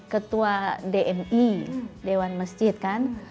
ketua dmi dewan masjid kan